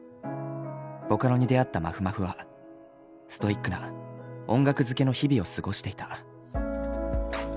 ボカロに出会ったまふまふはストイックな音楽漬けの日々を過ごしていた。